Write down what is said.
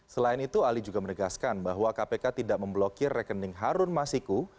selain itu ali juga menegaskan bahwa kpk tidak memblokir rekening harun masiku